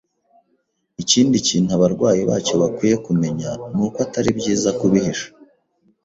Ikindi kintu abarwayi bacyo bakwiye kumenya ni uko atari byiza kubihisha